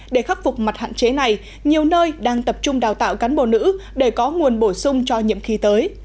để khắc phục mặt hạn chế này nhiều nơi đang tập trung đào tạo cán bộ nữ để có nguồn bổ sung cho nhiệm kỳ tới